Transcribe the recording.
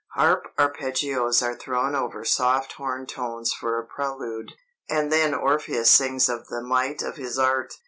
Harp arpeggios are thrown over soft horn tones for a prelude, and then Orpheus sings of the might of his art....